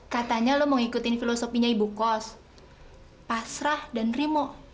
katanya lo mau ikutin filosofinya ibu kos pasrah dan remo